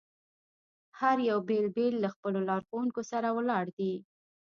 هر یو بېل بېل له خپلو لارښوونکو سره ولاړ دي.